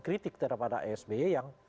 kritik terhadap sby yang